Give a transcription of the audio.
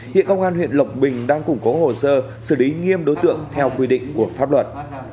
hiện công an huyện lộc bình đang củng cố hồ sơ xử lý nghiêm đối tượng theo quy định của pháp luật